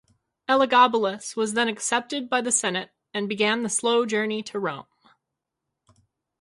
Elagabalus was then accepted by the senate, and began the slow journey to Rome.